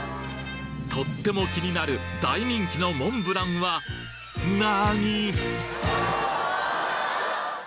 とっても気になる大人気のモンブランは何？